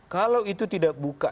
kalau itu tidak buka